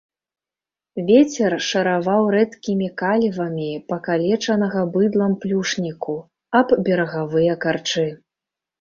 Вецер шараваў рэдкімі калівамі пакалечанага быдлам плюшніку аб берагавыя карчы.